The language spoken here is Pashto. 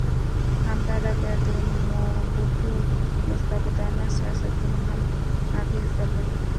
همدارنګه د موبوټو مستبدانه سیاستونو هم اغېز درلود.